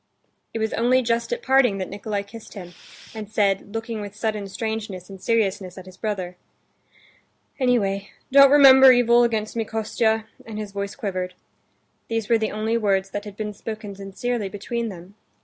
It was only just at parting that Nikolay kissed him, and said, looking with sudden strangeness and seriousness at his brother: "Anyway, don't remember evil against me, Kostya!" and his voice quivered. These were the only words that had been spoken sincerely between them.